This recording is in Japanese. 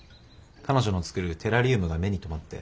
彼女の作るテラリウムが目に留まって。